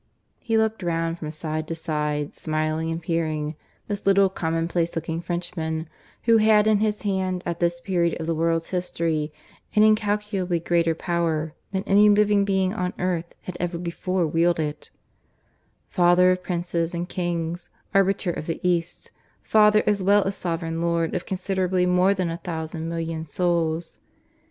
He looked round from side to side, smiling and peering this little commonplace looking Frenchman, who had in his hand at this period of the world's history an incalculably greater power than any living being on earth had ever before wielded Father of Princes and Kings, Arbiter of the East, Father as well as Sovereign Lord of considerably more than a thousand million souls.